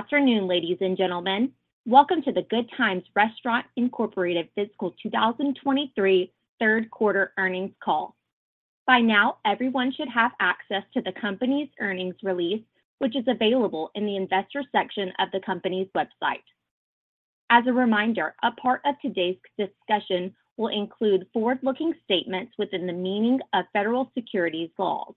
Good afternoon, ladies and gentlemen. Welcome to the Good Times Restaurants Inc. Fiscal 2023 Q3 earnings call. By now, everyone should have access to the company's earnings release, which is available in the investor section of the company's website. As a reminder, a part of today's discussion will include forward-looking statements within the meaning of federal securities laws.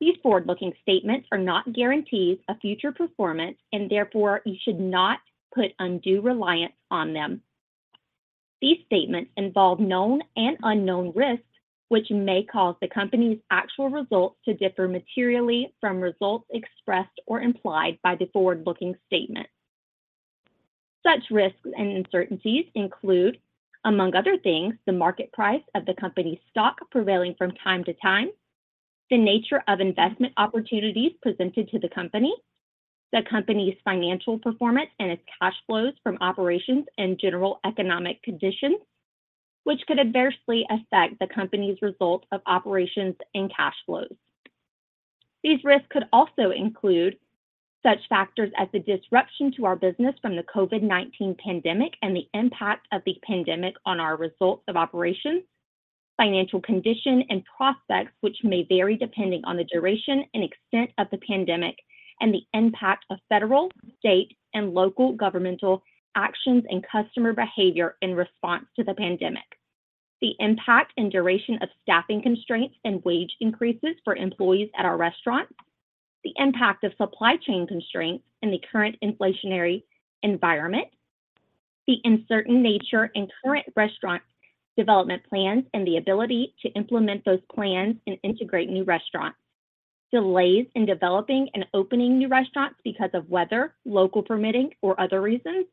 These forward-looking statements are not guarantees of future performance, and therefore you should not put undue reliance on them. These statements involve known and unknown risks, which may cause the company's actual results to differ materially from results expressed or implied by the forward-looking statements. Such risks and uncertainties include, among other things, the market price of the company's stock prevailing from time to time, the nature of investment opportunities presented to the company, the company's financial performance and its cash flows from operations and general economic conditions, which could adversely affect the company's results of operations and cash flows. These risks could also include such factors as the disruption to our business from the COVID-19 pandemic and the impact of the pandemic on our results of operations, financial condition and prospects, which may vary depending on the duration and extent of the pandemic and the impact of federal, state, and local governmental actions and customer behavior in response to the pandemic. The impact and duration of staffing constraints and wage increases for employees at our restaurants, the impact of supply chain constraints in the current inflationary environment, the uncertain nature and current restaurant development plans, and the ability to implement those plans and integrate new restaurants. Delays in developing and opening new restaurants because of weather, local permitting or other reasons,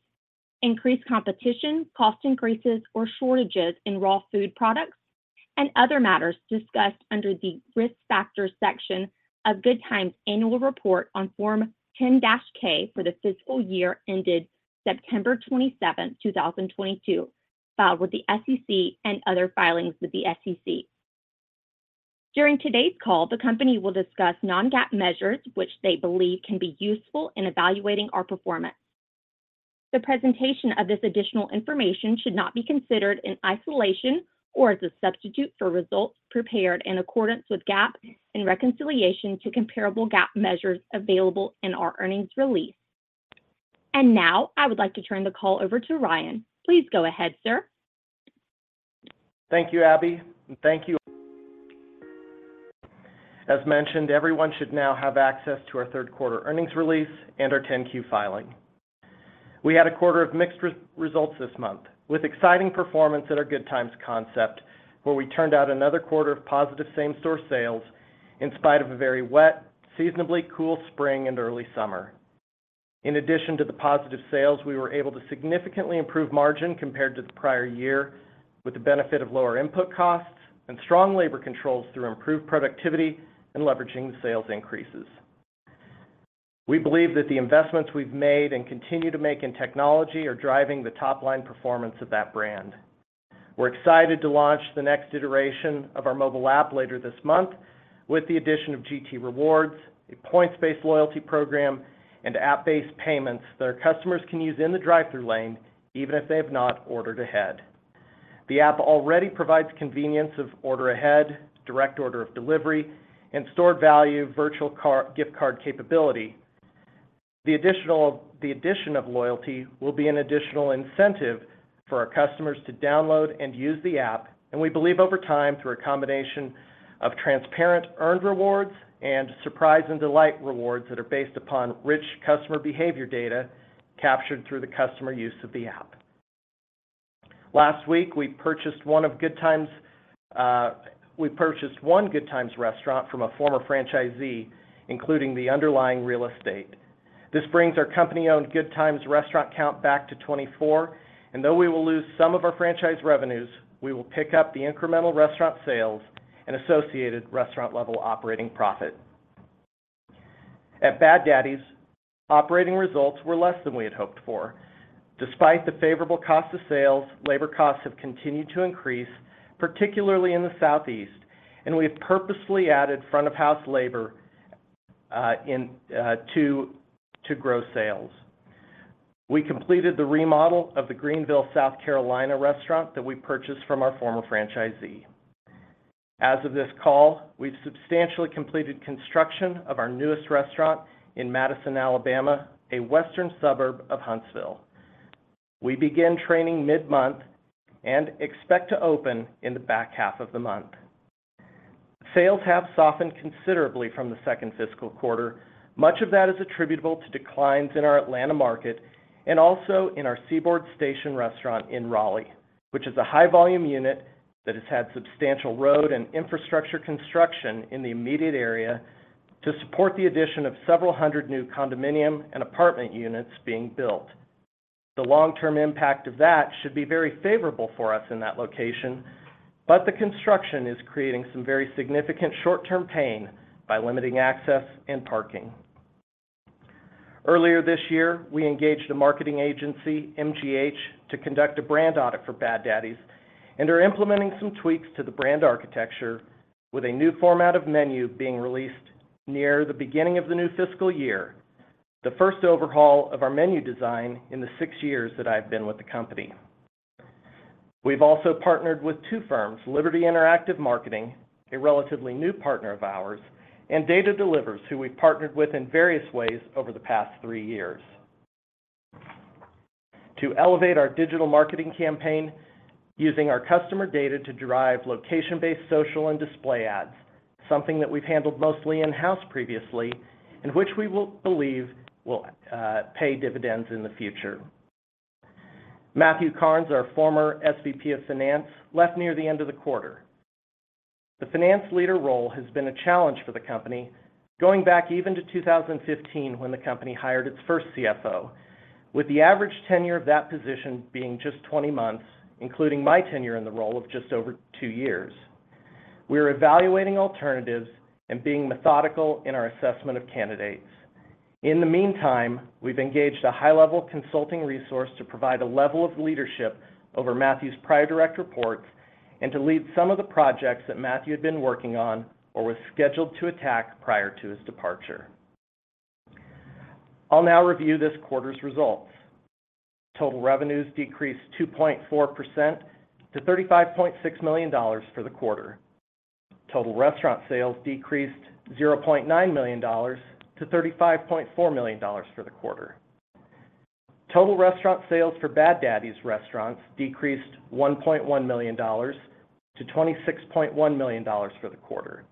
increased competition, cost increases or shortages in raw food products, and other matters discussed under the Risk Factors section of Good Times Annual Report on Form 10-K for the fiscal year ended September 27th, 2022, filed with the SEC, and other filings with the SEC. During today's call, the company will discuss non-GAAP measures, which they believe can be useful in evaluating our performance. The presentation of this additional information should not be considered in isolation or as a substitute for results prepared in accordance with GAAP and reconciliation to comparable GAAP measures available in our earnings release. Now I would like to turn the call over to Ryan. Please go ahead, sir. Thank you, Abby, and thank you. As mentioned, everyone should now have access to our Q3 earnings release and our 10-Q filing. We had a quarter of mixed results this month, with exciting performance at our Good Times concept, where we turned out another quarter of positive same-store sales in spite of a very wet, seasonably cool spring and early summer. In addition to the positive sales, we were able to significantly improve margin compared to the prior year, with the benefit of lower input costs and strong labor controls through improved productivity and leveraging the sales increases. We believe that the investments we've made and continue to make in technology are driving the top-line performance of that brand. We're excited to launch the next iteration of our mobile app later this month with the addition of GT Rewards, a points-based loyalty program and app-based payments that our customers can use in the drive-thru lane, even if they have not ordered ahead. The app already provides convenience of order ahead, direct order of delivery, and stored value virtual gift card capability. The addition of loyalty will be an additional incentive for our customers to download and use the app, and we believe over time, through a combination of transparent earned rewards and surprise and delight rewards that are based upon rich customer behavior data captured through the customer use of the app. Last week, we purchased one of Good Times, we purchased one Good Times Restaurant from a former franchisee, including the underlying real estate. This brings our company-owned Good Times Restaurant count back to 24, though we will lose some of our franchise revenues, we will pick up the incremental restaurant sales and associated restaurant-level operating profit. At Bad Daddy's, operating results were less than we had hoped for. Despite the favorable cost of sales, labor costs have continued to increase, particularly in the Southeast, and we have purposefully added front of house labor in to grow sales. We completed the remodel of the Greenville, South Carolina restaurant that we purchased from our former franchisee. As of this call, we've substantially completed construction of our newest restaurant in Madison, Alabama, a western suburb of Huntsville. We begin training mid-month and expect to open in the back half of the month. Sales have softened considerably from the second fiscal quarter. Much of that is attributable to declines in our Atlanta market and also in our Seaboard Station restaurant in Raleigh, which is a high-volume unit that has had substantial road and infrastructure construction in the immediate area to support the addition of several hundred new condominium and apartment units being built. The long-term impact of that should be very favorable for us in that location, but the construction is creating some very significant short-term pain by limiting access and parking. Earlier this year, we engaged a marketing agency, MGH, to conduct a brand audit for Bad Daddy's and are implementing some tweaks to the brand architecture with a new format of menu being released near the beginning of the new fiscal year, the first overhaul of our menu design in the six years that I've been with the company. We've also partnered with 2 firms, Liberty Interactive Marketing, a relatively new partner of ours, and DataDelivers, who we've partnered with in various ways over the past 3 years. To elevate our digital marketing campaign using our customer data to drive location-based social and display ads, something that we've handled mostly in-house previously, and which we will believe will pay dividends in the future. Matthew Karnes, our former SVP of Finance, left near the end of the quarter. The finance leader role has been a challenge for the company, going back even to 2015, when the company hired its first CFO, with the average tenure of that position being just 20 months, including my tenure in the role of just over 2 years. We are evaluating alternatives and being methodical in our assessment of candidates. In the meantime, we've engaged a high-level consulting resource to provide a level of leadership over Matthew's prior direct reports and to lead some of the projects that Matthew had been working on or was scheduled to attack prior to his departure. I'll now review this quarter's results. Total revenues decreased 2.4% to $35.6 million for the quarter. Total restaurant sales decreased $0.9 million to $35.4 million for the quarter. Total restaurant sales for Bad Daddy's restaurants decreased $1.1 million to $26.1 million for the quarter.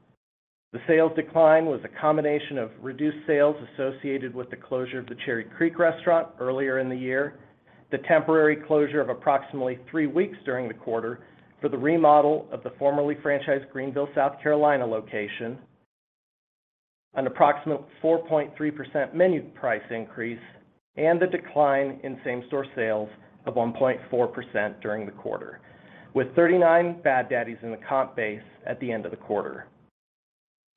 The sales decline was a combination of reduced sales associated with the closure of the Cherry Creek restaurant earlier in the year, the temporary closure of approximately 3 weeks during the quarter for the remodel of the formerly franchised Greenville, South Carolina, location, an approximate 4.3% menu price increase, and a decline in same-store sales of 1.4% during the quarter, with 39 Bad Daddy's in the comp base at the end of the quarter.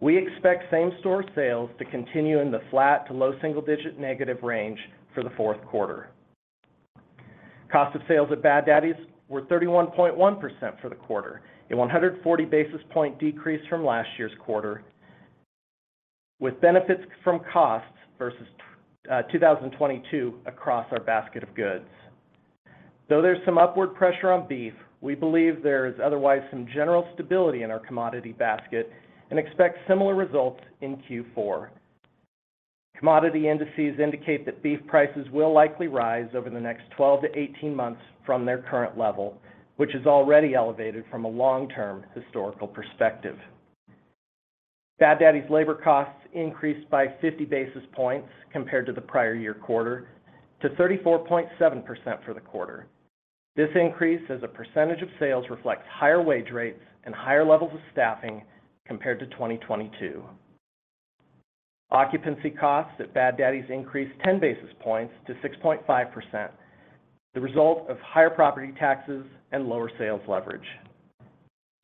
We expect same-store sales to continue in the flat to low single-digit negative range for the Q4. Cost of sales at Bad Daddy's were 31.1% for the quarter, a 140 basis point decrease from last year's quarter, with benefits from costs versus 2022 across our basket of goods. Though there's some upward pressure on beef, we believe there is otherwise some general stability in our commodity basket and expect similar results in Q4. Commodity indices indicate that beef prices will likely rise over the next 12-18 months from their current level, which is already elevated from a long-term historical perspective. Bad Daddy's labor costs increased by 50 basis points compared to the prior year quarter to 34.7% for the quarter. This increase, as a percentage of sales, reflects higher wage rates and higher levels of staffing compared to 2022. Occupancy costs at Bad Daddy's increased 10 basis points to 6.5%, the result of higher property taxes and lower sales leverage.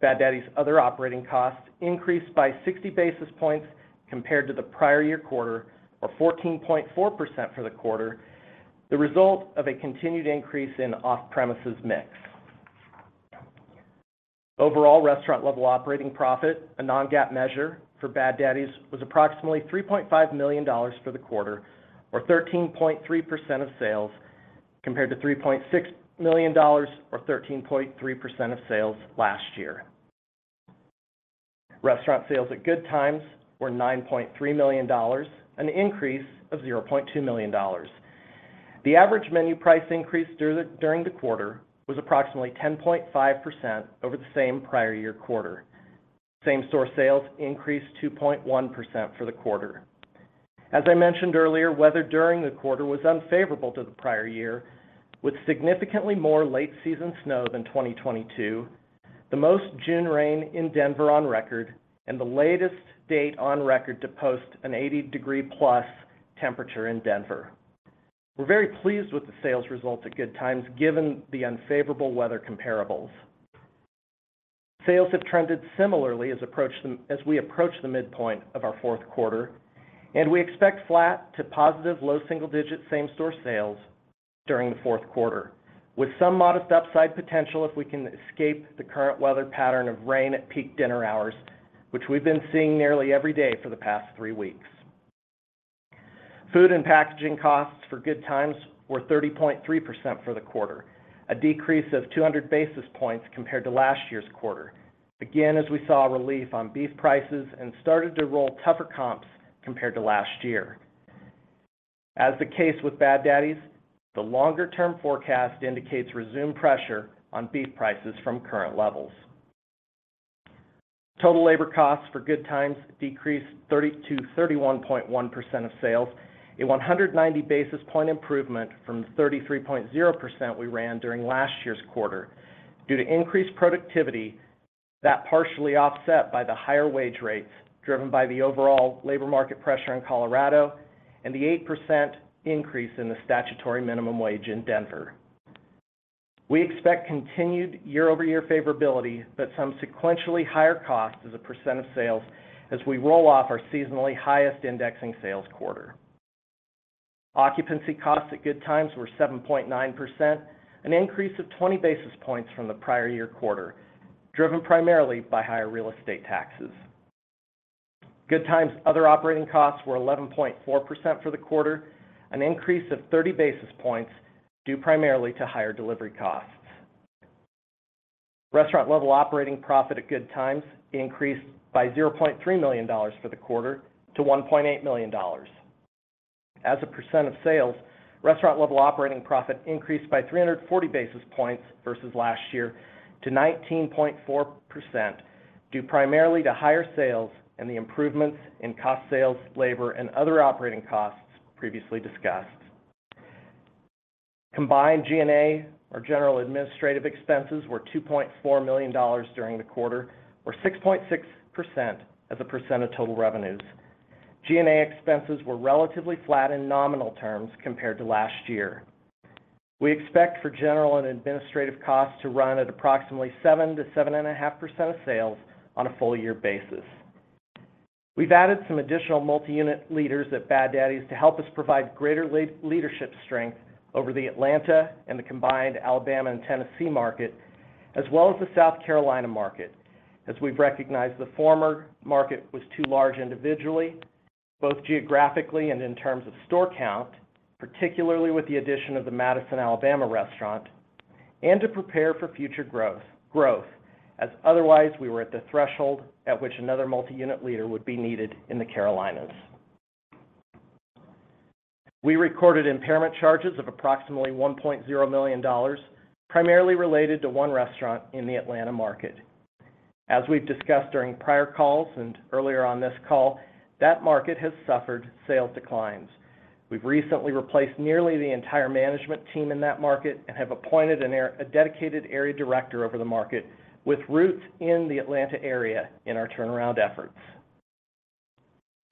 Bad Daddy's other operating costs increased by 60 basis points compared to the prior year quarter or 14.4% for the quarter, the result of a continued increase in off-premises mix. Overall, restaurant-level operating profit, a non-GAAP measure for Bad Daddy's, was approximately $3.5 million for the quarter or 13.3% of sales, compared to $3.6 million or 13.3% of sales last year. Restaurant sales at Good Times were $9.3 million, an increase of $0.2 million. The average menu price increase during the quarter was approximately 10.5% over the same prior year quarter. Same-store sales increased 2.1% for the quarter. As I mentioned earlier, weather during the quarter was unfavorable to the prior year, with significantly more late-season snow than 2022, the most June rain in Denver on record, and the latest date on record to post an 80 degree plus temperature in Denver. We're very pleased with the sales results at Good Times, given the unfavorable weather comparables. Sales have trended similarly as we approach the midpoint of our Q4, and we expect flat to positive low single-digit same-store sales during the Q4, with some modest upside potential if we can escape the current weather pattern of rain at peak dinner hours, which we've been seeing nearly every day for the past 3 weeks. Food and packaging costs for Good Times were 30.3% for the quarter, a decrease of 200 basis points compared to last year's quarter. Again, as we saw a relief on beef prices and started to roll tougher comps compared to last year. As the case with Bad Daddy's, the longer-term forecast indicates resume pressure on beef prices from current levels. Total labor costs for Good Times decreased 30%-31.1% of sales, a 190 basis point improvement from the 33.0% we ran during last year's quarter due to increased productivity that partially offset by the higher wage rates, driven by the overall labor market pressure in Colorado and the 8% increase in the statutory minimum wage in Denver. We expect continued year-over-year favorability, but some sequentially higher costs as a % of sales as we roll off our seasonally highest indexing sales quarter. Occupancy costs at Good Times were 7.9%, an increase of 20 basis points from the prior year quarter, driven primarily by higher real estate taxes. Good Times' other operating costs were 11.4% for the quarter, an increase of 30 basis points, due primarily to higher delivery costs. Restaurant-level operating profit at Good Times increased by $0.3 million for the quarter to $1.8 million. As a percent of sales, restaurant-level operating profit increased by 340 basis points versus last year to 19.4%, due primarily to higher sales and the improvements in cost sales, labor, and other operating costs previously discussed. Combined G&A, or general administrative expenses, were $2.4 million during the quarter, or 6.6% as a percent of total revenues. G&A expenses were relatively flat in nominal terms compared to last year. We expect for general and administrative costs to run at approximately 7% to 7.5% of sales on a full year basis. We've added some additional multi-unit leaders at Bad Daddy's to help us provide greater leadership strength over the Atlanta and the combined Alabama and Tennessee market, as well as the South Carolina market, as we've recognized the former market was too large individually, both geographically and in terms of store count, particularly with the addition of the Madison, Alabama restaurant, and to prepare for future growth, growth, as otherwise we were at the threshold at which another multi-unit leader would be needed in the Carolinas. We recorded impairment charges of approximately $1.0 million, primarily related to one restaurant in the Atlanta market. As we've discussed during prior calls and earlier on this call, that market has suffered sales declines. We've recently replaced nearly the entire management team in that market and have appointed a dedicated area director over the market with roots in the Atlanta area in our turnaround efforts.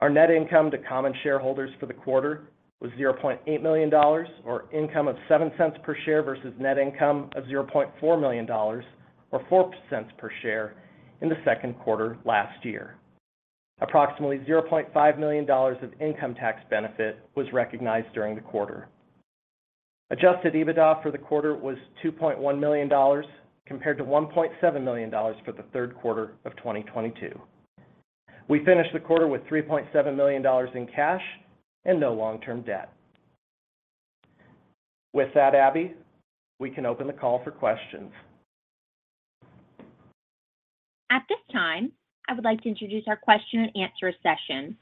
Our net income to common shareholders for the quarter was $0.8 million, or income of $0.07 per share, versus net income of $0.4 million, or $0.04 per share in the Q2 last year. Approximately $0.5 million of income tax benefit was recognized during the quarter. Adjusted EBITDA for the quarter was $2.1 million, compared to $1.7 million for the Q3 of 2022. We finished the quarter with $3.7 million in cash and no long-term debt. With that, Abby, we can open the call for questions. At this time, I would like to introduce our question and answer session.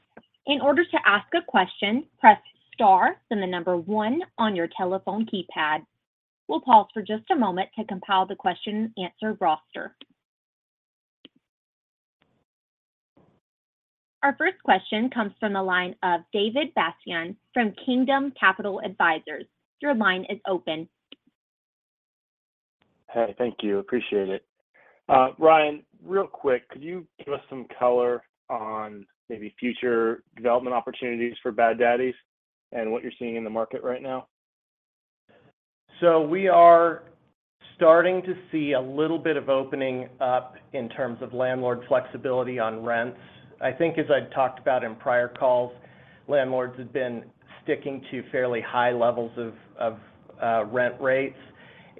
In order to ask a question, press star, then the number 1 on your telephone keypad. We'll pause for just a moment to compile the question and answer roster. Our first question comes from the line of David Bastian from Kingdom Capital Advisors. Your line is open. Hey, thank you. Appreciate it. Ryan, real quick, could you give us some color on maybe future development opportunities for Bad Daddy's and what you're seeing in the market right now? We are starting to see a little bit of opening up in terms of landlord flexibility on rents. I think as I've talked about in prior calls, landlords have been sticking to fairly high levels of, of rent rates,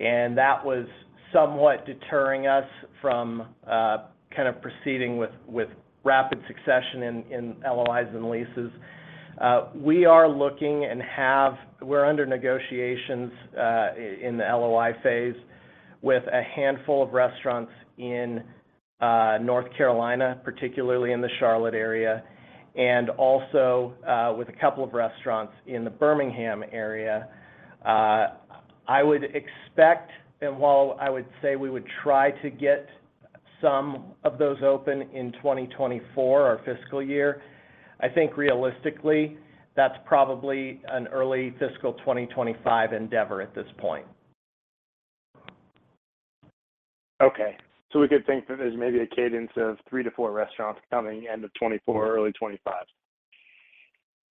and that was somewhat deterring us from kind of proceeding with rapid succession in LOIs and leases. We are looking and have we're under negotiations in the LOI phase with a handful of restaurants in North Carolina, particularly in the Charlotte area, and also with a couple of restaurants in the Birmingham area. I would expect, and while I would say we would try to get some of those open in 2024, our fiscal year, I think realistically, that's probably an early fiscal 2025 endeavor at this point. Okay. We could think that there's maybe a cadence of three to four restaurants coming end of 2024, early 2025?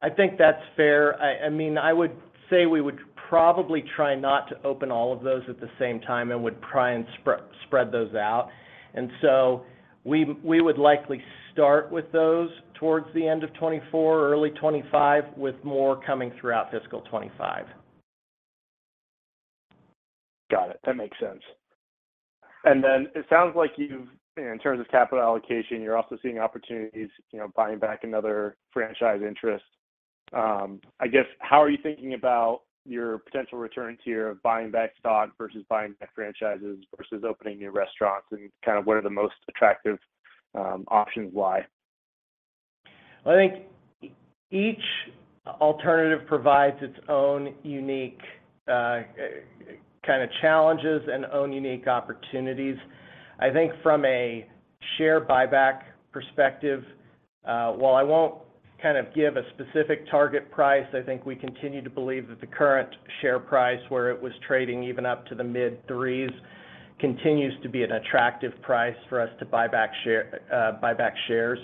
I think that's fair. I, I mean, I would say we would probably try not to open all of those at the same time and would try and spread those out. We would likely start with those towards the end of 2024, early 2025, with more coming throughout fiscal 2025. Got it. That makes sense. It sounds like you've, in terms of capital allocation, you're also seeing opportunities, you know, buying back another franchise interest. I guess, how are you thinking about your potential returns here of buying back stock versus buying back franchises versus opening new restaurants? What are the most attractive options why? I think each alternative provides its own unique, kind of challenges and own unique opportunities. I think from a share buyback perspective, while I won't kind of give a specific target price, I think we continue to believe that the current share price, where it was trading even up to the mid-threes, continues to be an attractive price for us to buy back share, buy back shares.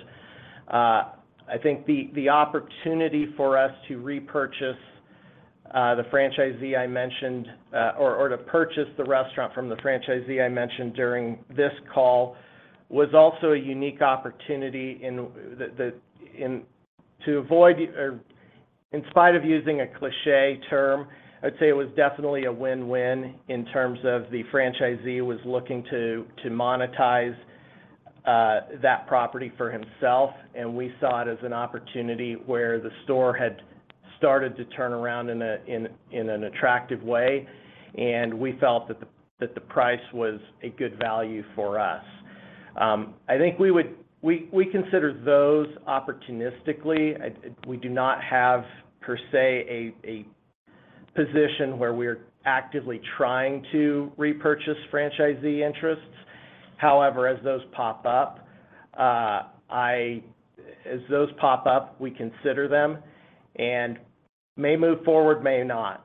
I think the opportunity for us to repurchase the franchisee I mentioned, or, or to purchase the restaurant from the franchisee I mentioned during this call, was also a unique opportunity to avoid or in spite of using a cliche term, I'd say it was definitely a win-win in terms of the franchisee was looking to, to monetize that property for himself. We saw it as an opportunity where the store had started to turn around in an attractive way, and we felt that the price was a good value for us. I think we would we, we consider those opportunistically. We do not have, per se a position where we are actively trying to repurchase franchisee interests. However, as those pop up, as those pop up, we consider them and may move forward, may not.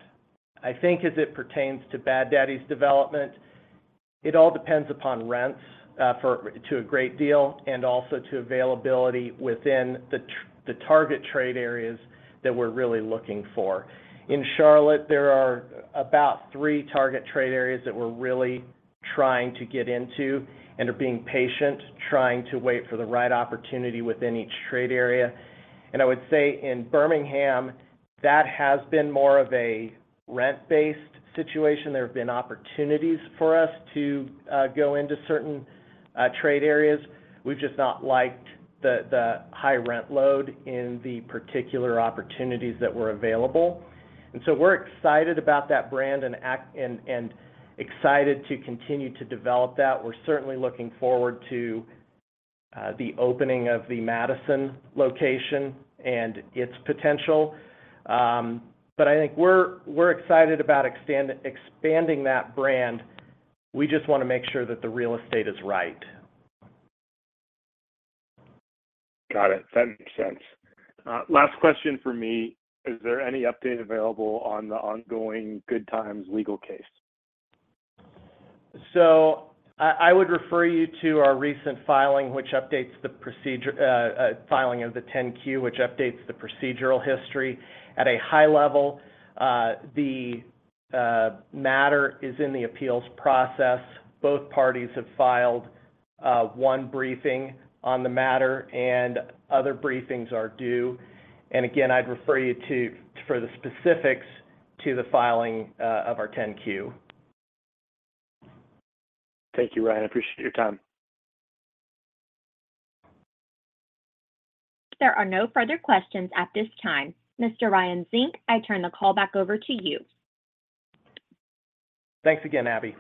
I think as it pertains to Bad Daddy's development, it all depends upon rents, for, to a great deal, and also to availability within the target trade areas that we're really looking for. In Charlotte, there are about three target trade areas that we're really trying to get into and are being patient, trying to wait for the right opportunity within each trade area. I would say in Birmingham, that has been more of a rent-based situation. There have been opportunities for us to go into certain trade areas. We've just not liked the high rent load in the particular opportunities that were available. So we're excited about that brand and excited to continue to develop that. We're certainly looking forward to the opening of the Madison location and its potential. I think we're excited about expanding that brand. We just want to make sure that the real estate is right. Got it. That makes sense. Last question for me. Is there any update available on the ongoing Good Times legal case? I, I would refer you to our recent filing, which updates the procedure, filing of the 10-Q, which updates the procedural history. At a high level, the matter is in the appeals process. Both parties have filed, 1 briefing on the matter, and other briefings are due. Again, I'd refer you to, for the specifics, to the filing, of our 10-Q. Thank you, Ryan. I appreciate your time. There are no further questions at this time. Mr. Ryan Zink, I turn the call back over to you. Thanks again, Abby.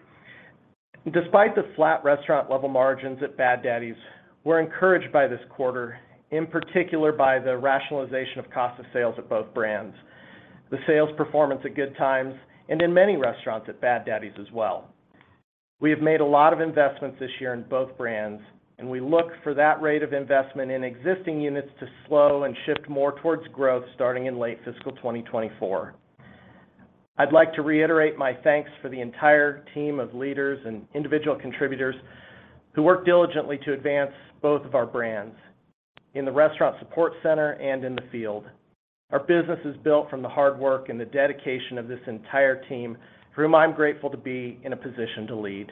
Despite the flat restaurant-level margins at Bad Daddy's, we're encouraged by this quarter, in particular by the rationalization of cost of sales at both brands, the sales performance at Good Times, and in many restaurants at Bad Daddy's as well. We have made a lot of investments this year in both brands, and we look for that rate of investment in existing units to slow and shift more towards growth starting in late fiscal 2024. I'd like to reiterate my thanks for the entire team of leaders and individual contributors who work diligently to advance both of our brands in the restaurant support center and in the field. Our business is built from the hard work and the dedication of this entire team, whom I'm grateful to be in a position to lead.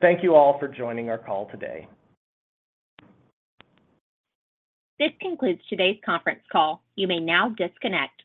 Thank you all for joining our call today. This concludes today's conference call. You may now disconnect.